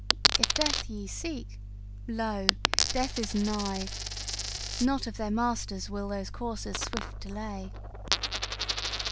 If death ye seek lo! Death is nigh, Not of their master's will those coursers swift delay!